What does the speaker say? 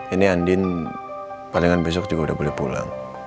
ini andin palingan besok juga udah boleh pulang